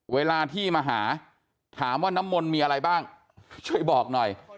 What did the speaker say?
เวลาที่มาหาถามว่าน้ำมนต์มีอะไรบ้างช่วยบอกหน่อย